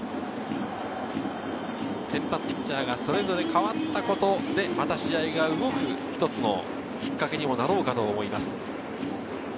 先発ピッチャーがそれぞれ代わったことで、また試合が動くきっかけにもなろうかと思います。